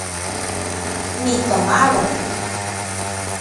Nitomauak.